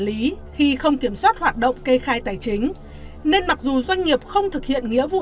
lý khi không kiểm soát hoạt động kê khai tài chính nên mặc dù doanh nghiệp không thực hiện nghĩa vụ